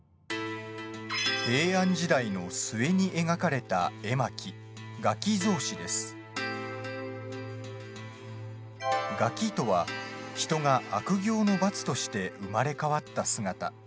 平安時代の末に描かれた絵巻「餓鬼」とは人が悪行の罰として生まれ変わった姿。